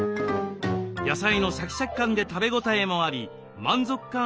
野菜のシャキシャキ感で食べ応えもあり満足感